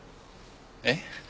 えっ？